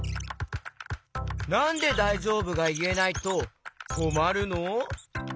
なんで「だいじょうぶ？」がいえないとこまるの？